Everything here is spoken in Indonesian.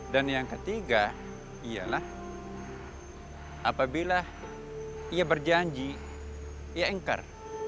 dan yang ketiga ialah apabila ia berjanji ia engkar